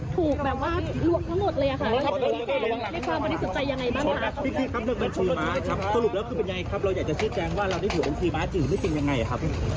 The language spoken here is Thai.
แต่ชื่อแจงว่าเราได้ถือองค์พี่บ๊าจิ๋วไม่จริงยังไงครับ